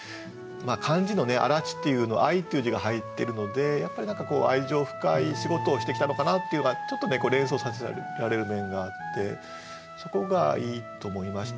漢字のね「愛発」っていうの「愛」っていう字が入ってるのでやっぱり何か愛情深い仕事をしてきたのかなっていうのがちょっとね連想させられる面があってそこがいいと思いました。